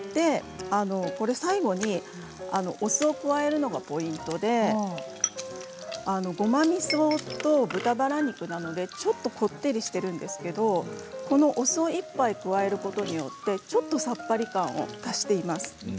これは最後にお酢を加えるのがポイントでごまみそと豚バラ肉なのでちょっとこってりしているんですがお酢を１杯、加えることによってちょっとさっぱり感を足しています。